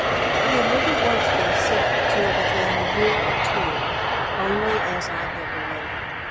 I have never once been sick till within a year or two, only as I have related.